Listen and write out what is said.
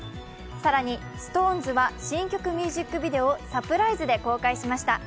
更にストーンズは新曲ミュージックビデオをサプライズで公開しました。